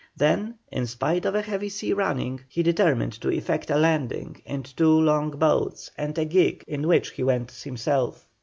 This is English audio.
Then, in spite of a heavy sea running, he determined to effect a landing in two long boats and a gig in which he went himself.